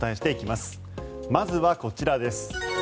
まずはこちらです。